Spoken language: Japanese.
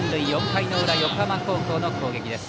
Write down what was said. ４回の裏、横浜高校の攻撃です。